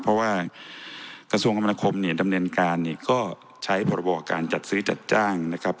เพราะว่ากระทรวงกรรมคมเนี่ยดำเนินการเนี่ยก็ใช้พรบการจัดซื้อจัดจ้างนะครับ